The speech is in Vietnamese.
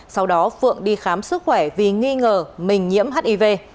sau đó phượng đi khám sức khỏe vì nghi ngờ mình nhiễm hiv